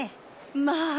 まあ！